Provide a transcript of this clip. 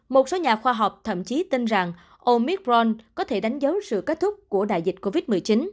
một số nhà khoa học thậm chí tin rằng omicron có thể đánh dấu sự kết thúc của đại dịch covid một mươi chín